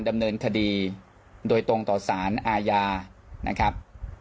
ดำเนินคดีโดยตรงต่อสารอาญานะครับ